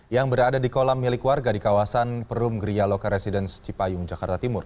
yang berada di kolam milik warga di kawasan perumgeria lokeresidence cipayung jakarta timur